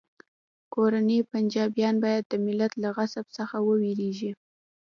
کورني پنجابیان باید د ملت له غضب څخه وویریږي